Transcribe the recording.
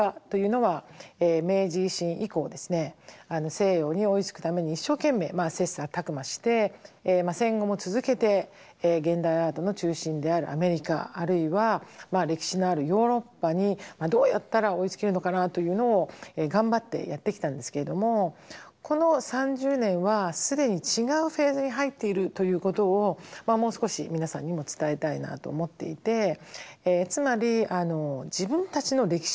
西洋に追いつくために一生懸命切磋琢磨して戦後も続けて現代アートの中心であるアメリカあるいは歴史のあるヨーロッパにどうやったら追いつけるのかなというのを頑張ってやってきたんですけれどもこの３０年は既に違うフェーズに入っているということをもう少し皆さんにも伝えたいなと思っていてつまり自分たちの歴史がどうなのか